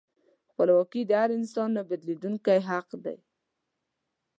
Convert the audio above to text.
خپلواکي د هر انسان نهبیلېدونکی حق دی.